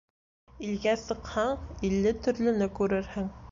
Илгә сыҡһаң, илле төрлөнө күрерһең.